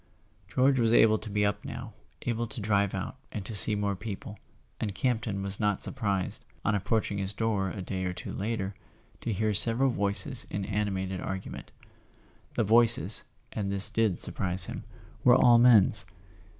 George was able to be up now, able to drive out, and to see more people; and Campton was not surprised, [ 319 ] A SON. AT THE FRONT on approaching his door a day or two later, to hear several voices in animated argument. The voices (and this did surprise him) were all men's.